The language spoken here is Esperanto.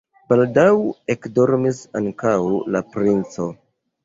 Baldaŭ ekdormis ankaŭ la princo.